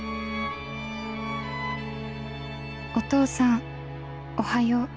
「お父さんおはよう。